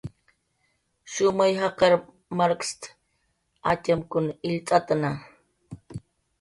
"Shumay jaqar markst"" atxamkun illt'atna"